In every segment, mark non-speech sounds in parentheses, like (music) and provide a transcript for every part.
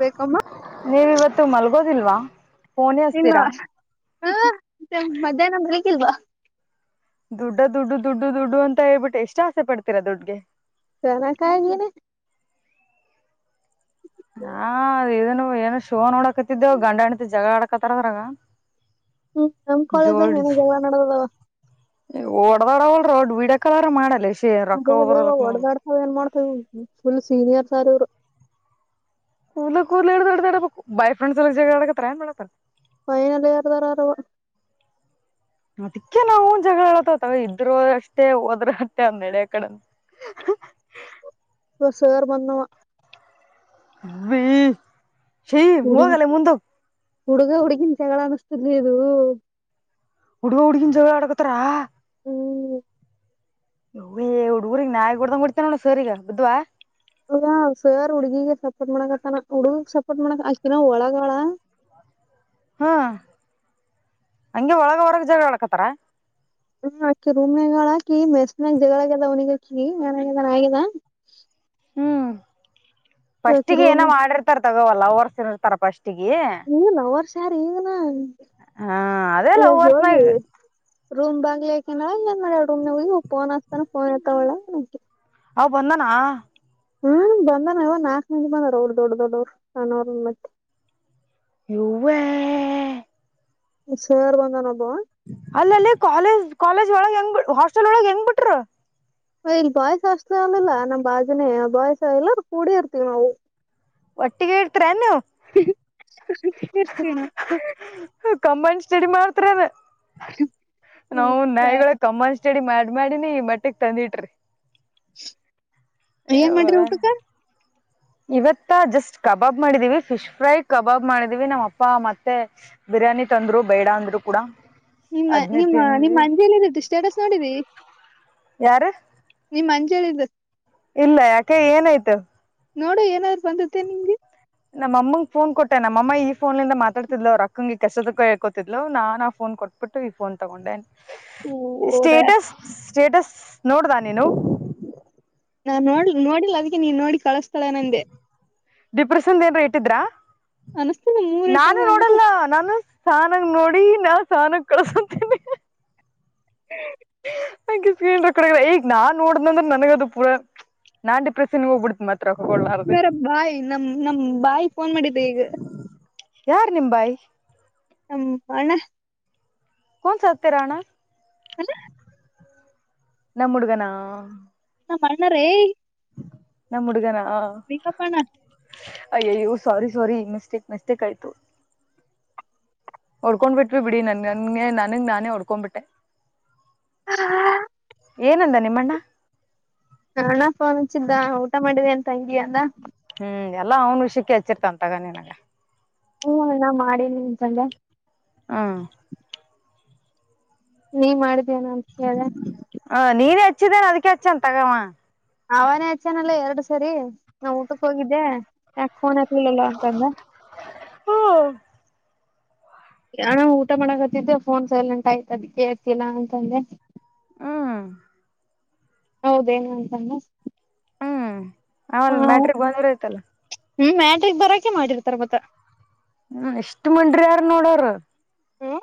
ಬೇಕಮ್ಮ ನೀವಿವತ್ತು ಮಲ್ಗೋದಿಲ್ವಾ ಫೋನೇ ಹಸ್ತೀರಾ ಇಲ್ಲವಾ ಹಾ ಮ ಮಧ್ಯಾಹ್ನ ಬರಕ್ಲ್ವಾ ದುಡ್ಡ ದುಡ್ಡು ದುಡ್ಡು ದುಡ್ಡು ಅಂತ ಹೇಳ್ಬಿಟ್ಟು ಎಷ್ಟು ಆಸೆ ಪಡ್ತೀರಾ ದುಡ್ಗೆ ಚರ ಕಾಯಗನೆ ನಾ ಇದನು ಏನ ಶಿವ ನೋಡಕತಿದ್ದೆವು ಗಂಡ ಅಣತಿ ಜಗಳ ಆಡಕತ್ತಾರ ಅದ್ರಾಗ ಹ್ಮ್ ನಮ ಕಳೇಜ ನನ ಜಾವ ನಡದ ಓಡದೋಡ ಅವಲ್ ಡ್ ಬಿಡಾಕಾರ ಮಾಡಲ್ಲ ಇಷ್ಟ ಅ ಇವಾಗ ಹೊಡದತ ಏನ್ ಮಾಡ್ತವ ಫುಲ್ ಸೀನಿಯರ್ ಸಾರ್ ಇವ್ರು ಕೂಲ ಕೂಲ ಎಡದೆದೆ ಬಾಯ್ಫ್ರೆಂಡ್ ಎ ಜಡತ್ರ ಮಾಡಾರೆ ವಯನಲ್ಲಿ ಯಾರದರ ಅರವಾ ಅದಕ್ಕೆ ನಾವು ಜಗಳಡತತಾವ ಇದರು ಅಷ್ಟೇ ಹೋದ್ರ ಅಷ್ಟೆ ಅಂದ ನಡ ಕಡೆ (inaudible) ಇ ಸೇರ್ ಬಂದ ಬಿ ಸಿ ಮುವಾಗಾಲ ಮುಂದ ಹುಡುಗ ಉಡಿಗ ಚಗಗಳ ಅನಸ್ದಲದು ಹುಡುಗ ಹುಡುಗಿಿನ ಜವ ಅಡಗತತ್ರಾ ಹ್ಮ್ ಹೇ ಹುಡ್ಗೂಗ್ ನಾಯಗ್ ಹೊಡದಂಗ ಬಿಡ್ತನ ನೋ ಸರಿಗ ಬುದದ್ವಾ ಸರ್ ಹುಡ್ಗಿಿಗೆ ಸಪೋರ್ಟ್ ಮಾಡಕತ್ತಾನ ಹುಡುಗಿಗ್ ಸಪೋರ್ಟ್ ಮಾಡಕ ಅಕಿನ ಒಳಗಳ ಹ್ಮ ಹಂಗೆ ಒಳಗ ಹೊರಗ ಜಾಗ ಒಳ್ಕತ್ತಾರ ಹ್ಮ್ ಅಕ್ಕಿ ರೂಮ್ಗಳಕಿ ಮೆಸ್ಗ ಜಗಳಾಗದ ಅವನಿಗಕಿ ನಾಗ ಆಗಿದ ಹ್ಮ್ ಸ್ಟಿಗೆ ರೂಮ್ ಏನೋ ಮಾಡಿರ್ತಾರ ತಗೋವಲ್ಲ ಅವರ್ಸನ್ರ್ತಾರ ಪಫಸ್ಟ್ ಟಿಗೆ ಈಗ ಲವರ್ಸ್ ಯಾರ ಈಗನ ಹಾ ಅದೆೇಲ್ಲ ಈಗ ಹೂ ಹೋಗ ವರ್ಷನ ರೂಮ್ ಬಂಗ್ಲಿಾಕನ ಏನ್ ಮಾಡಡ ರೂಮ್ ನ ಹೋಗಿ ೋನ್ಸ್ತಾನ ಫೋನ್ ಇಐತಾವಳ ನಂಿ ಅವ ಬಂದಾನ ಹ್ಮಮ ಬಂದಾನ ಇವ ನಾಕಕ್ ನಿಂ ಬಂದಾರ ಅವ ದೊಡ್ಡ ದೊಡ್ಡವ್ರು ಕ್ಣವ್ರ ಮತ್ತೆ ಯು ಸರ್ ಬಂದಾನಪ್ಪ ಅಲ್ಲಲ್ಲಿ ಕಾಲೇಜ್ ಕಾಲೇಜ್ ಒಳಗೆ ಹೆಂಗ್ ಹಾಸ್ಟೆಲ್ ಒಳಗೆ ಹೆಂಗ್ ಬಿಿಟ್ರು ಇಲ್ಲಿ ಬಾಯ್ಸ ಅಷ್ಟಲ ಆಲಿಲ್ಲಾ ನಮ್ ಬಾಜನೆೇ ಬಾಯ್ಸ ಇಲ್ಲ ಅ ಕೂಡ ಇರ್ತೀವಿ ನಾವು ಒಟ್ಟಿಿಗೆಟ್ತ್ರೆನು ಇರ್ತೀವಿ ನಾವು. ಕಂಬಾಂಡ್ ಸ್ಟಡಿ ಮಾಡ್ತಾರೆ ನಾವು ನಾಯಿಗಳ ಕಂಬಂಡ್ ಸ್ಟಡಿ ಮಾಡ ಮಾಡಿನಿ ಮಟ್ಟಕ್ ತಂದಿಟ್ರಿ ಏನ್ ಯವ್ವ ಮಾಡ್ರಿ ಊಟಕ್ಕ ಇವತ್ತ ಜಸ್ಟ್ ಕಬಾಬ್ ಮಾಡಿದೀವಿ ಫಿಶ್ ಫ್ರೈ ಕಬಾಬ್ ಮಾಡಿದೀವಿ ನಮ್ಮ್ ಅಪ್ಪ ಮತ್ತೆ ಬಿರಿಯಾನಿ ತಂದ್ರು ಬೇಡ ಅಂದ್ರು ಕೂಡ ನಿಮ್ಮ ಅದ್ನೇ ನಿಮ್ಮ ನಿಮ್ಮ್ ತಿಂದ್ವಿ ಅಂಜೆಲ್ಲತ್ತು ಸ್ಟೇಟಸ್ ನೋಡಿದಿ ಯಾರು ನಿಮ್ಮ ಅಂಜ ಹೇಳಿದ್ದ ಇಲ್ಲ ಯಾಕೆ ಏನಾಯ್ತು ನೋಡ ಏನಾದ್ರು ಬಂದತ್ತೆ ನಿಂಗೆ ನಮ್ಮ ಅಮ್ಮಗೆ ಫೋನ್ ಕೊಟ್ಟೆ ನಮ್ಮ ಈಫೋನ್ಲಂದ ಮಾತಾಡ್ತಿದ್ವ ಅವ ರಕ್ಕಂಗಗೆ ಕೆಸ ಕ ಹಳ್ಕೋತಿದ್ ನಾ ಆ ಫೋನ್ ಕೊಟ್ಟ ಕೊಟ್ಬಿಟ್ಟು ಈ ಫೋನ್ ತಗೊಂಡೆ ಹೌದಾ ಸ್ಟೇಟಸ್ ಸ್ಟೇಟಸ್ ನೋಡ್ದ ನೀನು ನಾನ್ ನೋಡ್ಲ್ ನೋಡಿಲ್ಲ ಅದಕ್ಕೆ ನೀನ್ ನೋಡಿ ಕಳಿಸ್ತಾಳೆನಂದೆ ಡಿಪ್ರೆಷನ್ ಏನ್ ಇಟ್ಟಿದ್ರ ಅನಸ್ತದ ಮೂರ್ ನಾನು ಇಟ್ಟದ ಅಂದ್ರೆ ನೋಡಲ್ಲ ನಾನು ಸಾನಾಗ ನೋಡಿ ನಾ ಸಾನಾಗ ಕಳ್ಸಂತೀನಿ ಹ್ಮ ನಂ ಸ್ಕ್ರೀನ್ ಕಡ ಈಗ ನಾನ್ ನೋಡ್ದ್ಂದ್ರೆ ನನಗದು ಪೂರ ನಾ ಪ್ರೆನ್ ಹೋಗ್ಬ ಬಿಡತ್ೆ ಮಾರ ಬಾಯಿ ನಮ ನಮ್ ಬಾಯಿ ಫೋನ್ ಮಾಡಿದ್ದೆ ಈಗ ಯಾರ್ ನಿಂಬಾಯಿ ಹ ಹಣ್ಣ ಕನ್ಸ ಹತ್ಯರಣ ಅಲ್ಲ ನಾ ಮುಡುಗನಾ ನ ಅಣ್ಣಾರೇ ನಮ್ಮ್ ಹುಡುಗನ ಈಗಪ್ಪಣ ಅಯ್ಯಯ್ಯೋ ಸಾರಿ ಸಾರಿ ಮಿಸ್ಟೇಕ್ ಮಿಸ್ಟೇಕ್ ಆಯ್ತು ಹೊಡ್ಕೊಂಡ್ಬಿಟ್ವಿ ಬಿಡಿ ನನ್ ನನ್ಗೆ ನನ್ಗ್ ನಾನೇ ಹೊಡ್ಕೊಂಡ್ಬಿಟ್ಟೆ ಹಾ ಏನಂದ ನಿಮ್ಮಣ್ಣ ಹಣಫೋನ್ ಹಚ್ಚಿದ್ದ ಊಟ ಮಾಡಿದೆ ಅಂತ ಹಂಗಿಯ ಅಲ್ಲ ಹ್ಮ್ ಎಲ್ಲಾ ಅವ್ನ ವಿಷಯಕ್ಕೆ ಹಚ್ಚಿರ್ತ ಅಂತಗ ನನಗೆ ಹ್ಮ ನ ಮಾಡಿನಿ ನಿನ್ ಸಂಜೆ ಹ ನೀ ಮಾಡಿದೀನ ಅಂತ ಕೇಳ ಹ ನೀನ್ ಹೆಚ್ಚಿದೇನೆ ಅದಕ್ಕೆ ಹೆಚ್ಚನ್ ತಗವಾ ಅವಾನೇ ಆಚ್ಚನಲ್ಲ ಎರಡು ಸರಿ ನಾ್ ಊಟಕ್ಕೆ ಹೋಗಿದ್ದೆ ಯಾಕೆ ಫೋನ್ ಹ ನಲ್ಲ ಅಂತ ಅಂದ ಹಣ ಊಟ ಮಾಡಕತ್ತಿದ್ದೆ ಫೋನ್ ಸೈಲೆಂಟ್ ಆಯ್ತದ ಅದಕೇ ಹಚ್ಚಿಲ್ಲ ಅಂತಂದೆ ಹ್ಮ್ ಹೌದೇನ ಅಂತದೇ ಅವಲ್ಲ ಮ್ಯಾಟ್ರಿಕ್ ಬಂದ್ರ ಆಯ್ತಲ್ಲ ಹ್ಮ್ ಮ್ಯಾಟ್ರಿಕ್ ಬರೋಕೆ ಮಾಡಿರ್ತಾರ ಮತ್ತ ಹ್ಮ ಎಷ್ಟ್ ಮನ್ ಯಾರ ನೋಡ್ರ ಅವ್ರ ಹ್ಮ್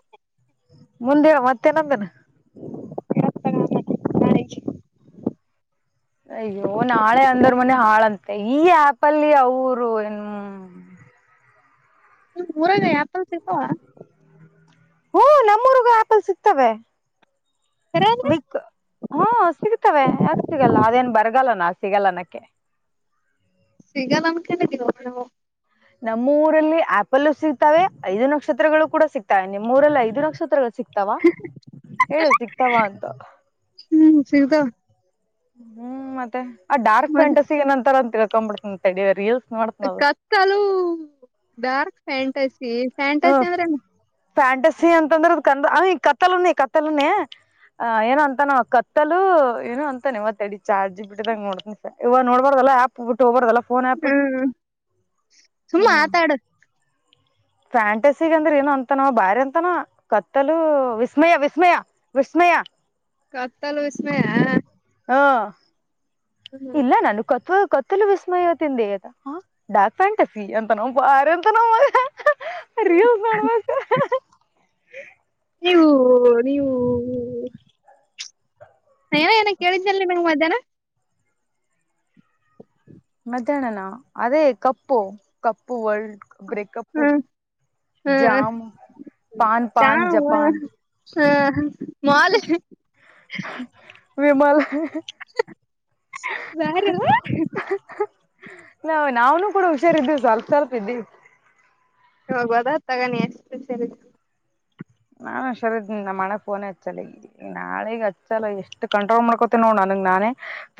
ಮುಂದೆನ ಮತ್ತೆನಂದನ (unintelligible) ಅಯ್ಯೋ ನಾಳೆ ಅಂದವರ್ ಮನೆ ಹಾಳಂತೆ ಈ ಆಪಲ್ಲಿ ಅವರು ಏನು ಹ ನಿಮ ಊರಾಗ ಯಾಪ್ಪಲ್ ಸಿಗತಾವಾ ಹ್ಮ ನಮ್ಮೂರಿಗೂ ಆಪಲ್ ಸಿಕ್ತವೆ ಕರೆ ಅಂದ್ರೆ ವೀಕ್ ಹ್ಮ ಸಿಗ್ತವೆ ಯಾಕೆ ಸಿಗಲ್ಲ ಅದೇನ್ ಬರಗಾಲ್ಲ ನಾ ಸ್ ಸಿಗಲ್ಲ ಅನಕ್ಕೆ ಸಿಗಲ್ ಅನಕೋಂಡಗೆ (unintelligible) ನಮ್ಮೂರಲ್ಲಿ ಆಪಲ್ಲೂ ಸಿಗ್ತಾವೆ ಐದು ನಕ್ಷತ್ರಗಳು ಕೂಡ ಸಿಗ್ತವೆ ನಿಮ್ಮೂರಲ್ಲಿ ಐದು ನಕ್ಷತ್ರಗಳು ಸಿಕ್ತಾವ ಹೇಳು ಸಿಕ್ತಾವ ಅಂತ ಸಿಗತಾವ ಹ್ಮ್ ಮತ್ತೆ ಆ ಡಾರ್ಕ್ ಫೆಂಟಾಸಿಗೆನ್ ಅಂತಾರ ಅಂತ ತಿಳ್ಕೊಂಡ್ಬಿಡ್ತನ ತ ರೀಲ್ಸ ಕತ್ತಲು ಡಾರ್ಕ್ ಫ್ಯಾಂಟಸಿ ಫ್ಯಾಂಟಸಿ ಹ್ಮ್ ಅಂದ್ರೆನು ಫ್ಯಾಂಟಸಿ ಅಂತಂದ್ರೆದ್ ಕ ಈ ಕತ್ತಲನ ಕತ್ತಲನೇ ಅ ಏನೋ ಅಂತ ನ ಕತ್ತಲು ಏನು ಅಂತಾನ ಇವ ತೆಡಿ ಚಾರ್ಜಿ ಬಿಟ್ಟಿದಾಗ ನೋಡ್ತನಿ ಸ ಇವಾಗ ನೋಡ್ಬಾರ್ದಲ್ಲ ಆ್ಯಪ್ ಬೀಟ ಹೋಗಬಾರ್ದಲ್ಲಫೋನ್ ಆಫ್ ಇಟ್ಟ ಹ್ಮ ಸುಮ್ಮ ಹ್ಮ್ ಆತಾಡು ಫ್ಯಾಂಟಸಿಗೆ ಅಂದ್ರೆ ಏನ ಅಂತನ ಬ್ಯಾರೇ ಅಂತಾನ ಕತ್ತಲು ವಿಸ್ಮಯ, ವಿಸ್ಮಯ, ವಿಸ್ಮಯ (unintelligible) ಕತ್ತಲು ವಿಸ್ಮಯಾ ಹಾ ಇಲ್ಲ ನಾನು ಕೊತ್ ಕತ್ತಲು ವಿಸ್ಮಯತಿಂದತ ಡಾಕ್ ಪ್ಯಾಂಟ್ ಸಿ ಅಂತಾನವ ಭಾರೆ ಅಂತನವಾ ರೀಲ್ಸ್ ನೋಡ್ಬೇಕ ನೀವು ನೀವು ನೀನಾ ಏನ ಕೇಳಿದ್ನಲ್ ನ್ ಮಧ್ಯಾಹ್ನ ಮಧ್ಯಾಹ್ನನ ಅದೇ ಕಪ್ಪು ಕಪ್ಪು ವರ್ಲ್ಡ್ ಬ್ರೇಕಪ್ ಹ್ಮ ಹ್ಮ ಜಾಮ ಪಾನ ಪಾನ್ ಜಪಾನ್ ಹಾ ಮೋಲ್ ವಿಮಲ್ ಯಾರೂ ನಾ ನಾವ್ನು ಕೂಡ ಹುಷಾರಿದ್ದು ಸ್ವಲ್ಪ ಸ್ವಲ್ಪ ಇದ್ದಿವಿ ಹೋಗುವದ ತಗಾನಿ ಎಷ್ಟು ಸರಿ ನಾನ್ ಹುಷಾರ ಇದ ನಮ್ಮ ಅನ್ನಾ ಗ ಫೋನೇ ಹಚ್ಚಲ್ಲ ನಾಳಗ್ ಹಚ್ಚಲ್ಲ ಎಷ್ಟು ಕಂಟ್ರೋಲ್ ಮಾಡ್ಕೋತಿನ ನೋಡ್ ನಾನು ನಾನೆ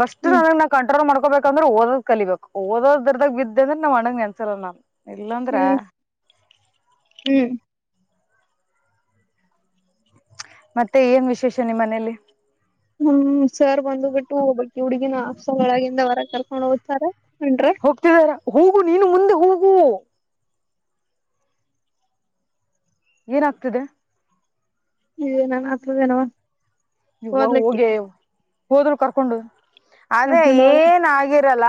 ಫಸ್ಟ್ ಹ್ಮ್ ನನಗ್ ನಾ ಕಂಟ್ರೋಲ್ ಮಾಡ್ಕೋಬೇಕಂದ್ರೆ ಓದ್ ಕಲಿಬೇಕು ಓದ ದರ್ದಾಗ ಬಿದ್ದೆಂದ್ರೆ ನ್ ಅಣ್ಣಗ್ ನೆನಪ ಇರಲ್ಲ ನಾನ್ ಇಲ್ಲಂದ್ರ ಹ್ಮ್ ಹ್ಮ್ ಮತ್ತೆ ಏನ್ ವಿಶೇಷ ನಿಮ್ಮನೇೆಯಲ್ಲಿ ಹ್ಮ್ ಸರ್ ಬಂದು ಬಿಟ್ಟು ಬಟ್ಟಿ ಹುಡ್ಗಿನ ಹಸೊಳಗಿಂದ ಹೊರ ಕರ್ಕೊಂಡ್ ಹೋಗ್ತಾರ ಹೊಂಟ್ರ ಹೋಗ್ತಿದಾರ ಹೂಗು ನೀನು ಮುಂದೆ ಹೋಗು ಏನಾಗ್ತಿದೆ ಇ ನಾನ ಆತದೇನವಾ ನೀ ಹೋಗೇ ಹೋದ್ರು ಕರ್ಕೊಂಡು ಅದೇ ಕರ್ಕೊಂಡ್ ಹೋದ ಏನ್ ಆ ಅಲ್ಲ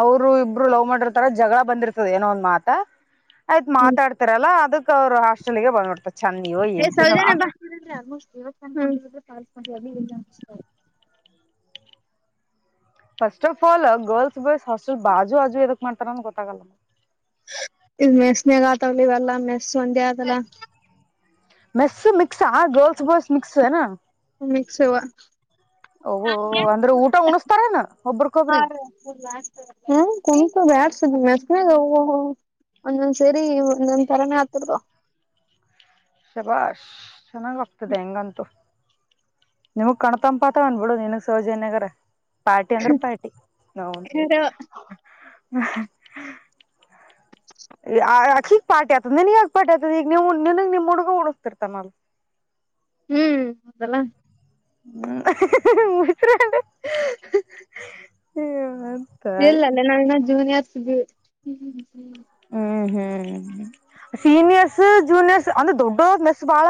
ಅವರು ಇಬ್ರು ಲವ್ ಮಾಡಿರ್ತಾರ ಜಗಳ ಬಂದಿರ್ತದ ಏನೋ ಒಂದ್ ಮಾತ. ಆಯ್ತ ಹ್ಮ್ ಮಾತಡ್ತಿರಲ್ಲ ಅದಕ್ ಅವ್ರು ಹಸ್ಲ್ ಗೆ ಬಂದಬಿಡ್ತಾರೆ. ಎ Soujanya (inaudible) (unintelligible) first of all girls boys hostel ಬಾಜು ಆಜು ಎದಕ್ ಮಾಡ್ತಾರ ಗೊತ್ತಾಗಲ್ಲ. ಇಲ್ ಮೆಸ್ನಗ ಆತಾಗಲಿ ಇವಲ್ಲಾ ಮೆಸ್ ಒಂದೆ ಅದಲ್ಲ. ಮೆಸ್ ಮಿಕ್ಸ ಗಲ್ಸ್ ಬಾಯ್ಸ್ ಮಿಕ್ಸೆನು. ಮಿಕ್ಸವಾ (inaudible) ಓಹ ಅಂದ್ರೆ ಊಟ ಉಣಸ್ತಾರನ ಒಬ್ರಕೊಬ್ರಿ. ಬ್ಯಾಡ್ಸುದ ಮೆ ಒಂದೊಂದ್ ಸೇರಿ ಒಂದೊಂದ್ ತರಾನೇ ಆತರದು. ಶಬಾಷ್ ಚೆನ್ನಾಗಕ್ತದೆಂಗಂತು. ನಿಮಗ್ ಕಣತಂಪಾತ ಬಂದ್ಬಿಡು ನೀನ್ಗ್ ಸೌಜನ್ಯಗರ. ಪಾರ್ಟಿ ಅಂದ್ರೆ ಪಾರ್ಟಿ ನೌನ್. ಹೀಗ್ ಪಾಯತದ ನನ್ಗಗ್ ಪಾ ಆಯತದ ಈಗ ನಗ್ ನಿಮ್ ಹುಡುಗ ಉಡಿಸಸ್ತಿರ್ತಾನ. ಹ್ಮ್ ಅದಲ್ಲ. (inaudible) ಇಲ್ಲಲ್ಲೇ ನಾವನ್ನ ಜೂನಿಯರ್ಸ್. ಹ್ಮ್ ಹ್ಮ್ ಸೀನಿಯರ್ಸ್ ಜೂನಿಯರ್ಸ್ ಅಂದ ದೊಡ್ಡ್ ಮೆಸ್ ಬಾಳ.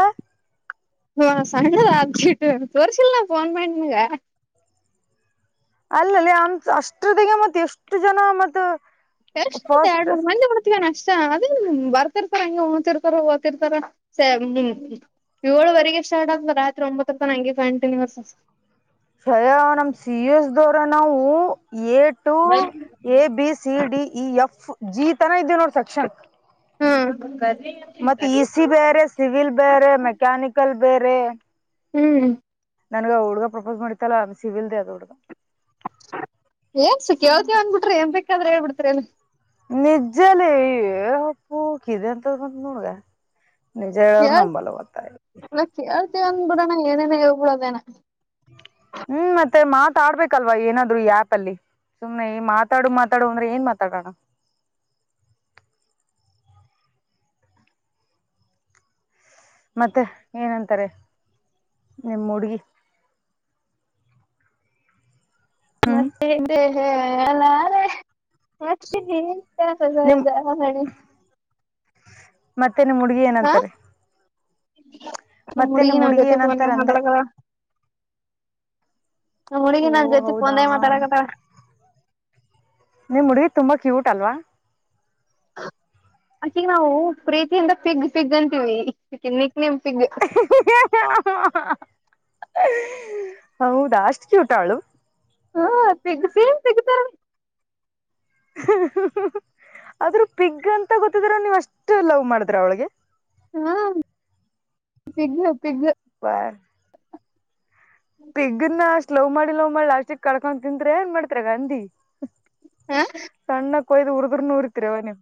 ಹ ಸಣ್ಣದ ಆದ ತೋರಿಸಸಿಲ್ಲ ನಾನ್ ಫೋನ್ ಮಾಡಿ ನಿನ್ಗಾ. ಅಲ್ಲಲ್ಲಿ ಅ ಅಷ್ಟ್ರದಿಗೆ ಮತ್ ಎಷ್ಟು ಜನ ಮತ್ತ. ಕೆಲ್ಸ ಎರಡು ಮೂರು ಮಂದಿ ಬಡ್ತೀವಣ. ಇಷ್ಟ ಅದೇ ಬರ್ತಿರ್ತಾರ ಹಂಗೆ ಓತಿರ್ತಾರ ಓರ್ತಾರ ಸ ಹ್ಮ್ ಏಳುವರೆಗೆ. ಶರ್ಟ್ ಆಗ್ತ ರಾತ್ರಿ ಒಂಬತ್ತರ ನಂಗೆ ಪ್ಯಾಂಟನ್ಯರ್. ಶಯಾ ನಮ ಸಿ ಎಸ್ ದವರ ನಾವು. A to A B C D E F G ತನ ಇದ್ದೆಯ ನೋಡಿ ಸೆಕ್ಷನ್. ಹ್ಮ್ ಮತ್ತೆ ಇ ಸಿ ಬೇರೆ ಸಿವಿಲ್ ಬೇರೆ ಮೆಕ್ಯಾನಿಕಲ್ ಬೇರೆ. ಹ್ಮ್ ನನ್ಗ ಹುಡ್ಗ ಪ್ರಪೋಸ್ ಮಾಡಿತಲ್ಲಾ ಸಿವಿಲ್ದೆ ಅದ ಹುಡ್ಗ. ಏನ್ ಸಖ್ದೇ ಅನ್ಬಿಟ್ರಿ ಏನ್ ಬೇಕಾದ್ರೆ ಹೇಳ್ಬಿಡ್ ಅಲ್ಲಿ. ನಿಜ್ಜಲ್ಲಿ ಉಪ್ಪು ಕಿದೆ ಅಂತದ ಬಂತ ನೋಡ್ಗ ‌. ನಿಜ ನಂಬಲವತ. ಒಂದ್ ಬಿಡಣ ಏನೇನ ಹೇಳ್ಬ ಬಿಡ ಅದೇನ. ಹ್ಮ್ ಮತ್ತೆ ಮಾತಾಡ್ಬೇಕಲ್ವಾ ಏನಾದ್ರು ಈ ಆಪ್ ಅಲ್ಲಿ. ಸುಮ್ನೆ ಈ ಮಾತಾಡು ಮಾತಾಡು ಅಂದ್ರೆ ಏನ್ ಮಾತಾಡೋಣ. ಮತ್ತೆ ಏನಂತಾರೆ ನಿಮ್ಮ ಹುಡ್ಗಿ. ಹ್ಮ್ ಮತ್ತೆ ಏನು ಹೇಳಲಾರೆ. ಹಾಕ್ಷ ನೀ (unintelligible) ನಿಮ್ (unintelligible) ಹಣ ಮತ್ತೇನೆ ಮುುಡ್ಗಿ ಏನಂತಾರೆ. ಮತ್ತೆ ಮುಡಗಿ ನಿಮ್ ನನ್ ಹುಡ್ಗಿ ಜೊತೆ ಏನಂತಾರ ಪಂದೆ ಅಂದೆ ಮಾತಾಡಕ. ನ ಹುಡುಗಿ ಓ ನಾನ್ ಜೊತೆ ಹೌದಾ ಪನ್ ಮಾತಡಕತ್ತಳ. ನಿಮ್ ಹುಡುಗಿ ತುಂಬಾ ಕ್ಯೂಟ್ ಅಲ್ವಾ. ಅಕಿಗ ನಾವು ಪ್ರೀತಿಯಿಂದ ಪಿಗ್ ಪಿಗ್ ಅಂತೀವಿ ನೇಮ್ ಪಿಗ್ (inaudible) ಹೌದಾ ಅಷ್ಟ್ ಕ್ಯುಟ ಅವ್ಳು. ಹ್ಮ ಪಿಗ್ಸಿ ಪಿಗ್ತರನೆ. ಆದ್ರೂ ಪಿಗ್ ಅಂತ ಗೊತ್ತಿದ್ರ ನೀವ್ ಅಷ್ಟು ಲವ್ ಮಾಡಿದ್ರ ಅವಳಿಗೆ. ಹ್ ಪಿಗ್ ಪಿಗ್. ಬಾರ್ ಪೆಗ್ನ್ನ ಸ್ಲವ್ ಮಾಡಿ ಲವ್ ಮಾಡಿ ಲಾಸ್ಟಕ್ ಕಳ್ಕೊಂಡ ತಂತ್ರ ಏನ್ ಮಾಡ್ತರ ಗಾಂಧಿ ಹ ಸಣ್ಣ ಕೊಯ್ದ ಉುರ್ದ್ರೂರ್ತಿರಿವ ನೀವು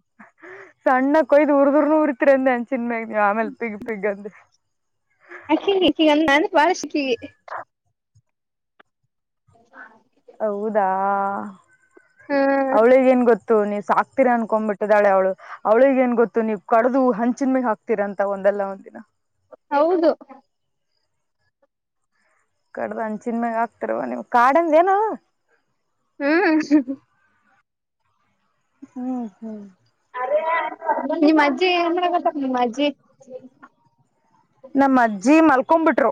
ಸಣ್ಣ ಕೊಯ್ದು ಉರುದರ್ ಉರಿತಿರಂದೆನ್ ಚಿನ್ಮ ಆಮೇಲೆ ಪಿಗ ಪಿಗ ಅಂದ ಹ ಚ ಚಗ ನ ಬಳತೀವಿ (inaudible) ಅ ಹೌದಾ ಹಾ ಅವಳಿಗೆೇನ್ ಗೊತ್ತು ನೀವು ಸಾಕ್ತಿರಾ ಅನ್ಕೊಂಡ್ಬ ಬಿಟ್ಟಿದ್ದಾಳ ಅವಳು ಅವಳಿಗೆ ಏನ್ ಗೊತ್ತು ನೀವು ಕಡದು ಹಂಚಿನ ಮಗ್ ಹಾಕ್ತಿರ ಅಂತ ಒಂದಂದು ಎಲ್ಲ ಒಂದಿನ ಹೌದು ಕಡ್ದ ಅಂದಚಿನ್ ಮ್ಯಾಗ ಆಗ್ತಾರವ ನೀವು ಕಾಡಂದ ಏನ ಹ್ಮ್ ಹ್ಮ್ ಹ್ಮ್ ನಿ ಅಜ್ಜಿ ಏಂದ ಗತ್ತ ನಿಮ್ಮ್ ಅಜ್ಜಿ ನಮ್ಮ್ ಅಜ್ಜಿ ಮಲ್ಕೊಂಬಿಟ್ರು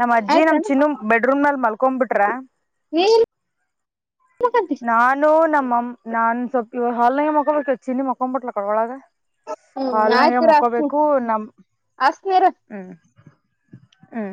ನಮ್ಮ್ ಅಜ್ಜಿ ನಮ್ ಆಯ್ತಾನ ಚಿನ್ನು ಬೆಡ್ರೂಮ್ ನಲ್ ಮಲ್ಕೊಂಬಿಟ್ರ ನೀ ಏನ್ ಮಾಡಕತ್ತಿ ನಾನು ನಮ್ಮ ನಾನ್ ಸ್ವಲ್ಪ್ ಇವ ಹಾನಾಗ ಮಕೊಬೇಕ ಚಿನ್ನಿ ಮಕೊಂಬಟ್ಲ ಕಡೊಳಗ ಹ್ಮ್ ಹಾಲ್ನಗೆ ಆಯ್ತಿರು ಅಸ್ನಿ ಮಕ್ಕೋಬೇಕು ನಮ ಅಸ್ನಿರು ಹ್ಮ್ ಹ್ಮ